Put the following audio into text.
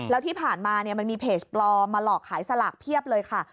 แล้วที่ผ่านมามันมีเพจปลอมมาหลอกขายสลากเพียบเลยค่ะ